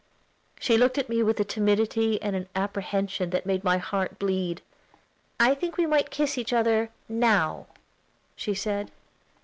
She looked at me with a timidity and apprehension that made my heart bleed. "I think we might kiss each other now," she said.